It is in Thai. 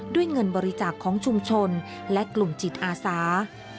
ด้วยเงินบริจาคของชุมชนและกลุ่มจิตอาสา